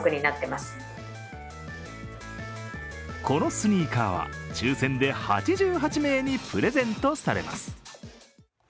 このスニーカーは抽選で８８名にプレゼントされます。